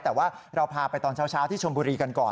แต่ว่าเราพาไปตอนเช้าที่ชมบุรีกันก่อน